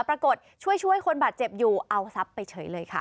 ปรากฏช่วยคนบาดเจ็บอยู่เอาทรัพย์ไปเฉยเลยค่ะ